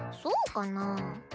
そうかな？